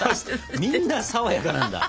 みんなさわやかなんだ。